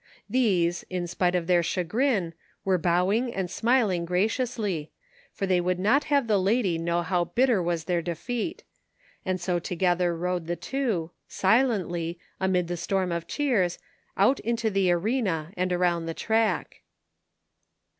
These, in spite of their chagrin, were bowing and smiling graciously, for they would not have the lady know how bitter was their defeat; and so together rode the two, silently, amid the storm of cheers, out into the arena and around the track.